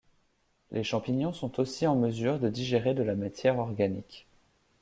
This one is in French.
Les champignons sont aussi en mesure de digérer de la matière organique.